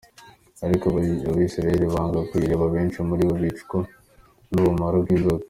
Ariko Abisirayeli banga kuyireba, abenshi muri bo bicwa n’ubumara bw’inzoka.